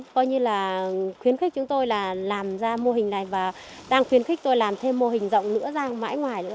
coi như là khuyến khích chúng tôi là làm ra mô hình này và đang khuyến khích tôi làm thêm mô hình rộng nữa ra mãi ngoài nữa